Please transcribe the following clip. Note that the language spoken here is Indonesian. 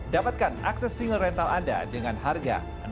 dapatkan akses single rental anda dengan harga